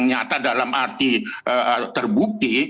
nyata dalam arti terbukti